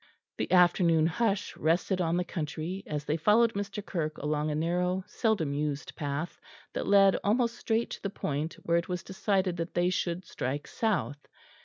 The afternoon hush rested on the country as they followed Mr. Kirke along a narrow seldom used path that led almost straight to the point where it was decided that they should strike south.